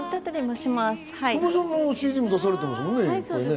知世さんはＣＤも出されてますもんね。